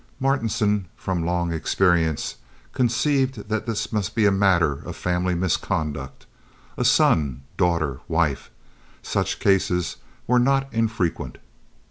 Martinson, from long experience conceived that this must be a matter of family misconduct—a son, daughter, wife. Such cases were not infrequent.